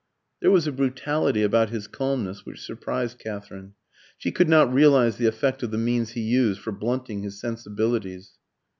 There was a brutality about his calmness which surprised Katherine; she could not realise the effect of the means he used for blunting his sensibilities.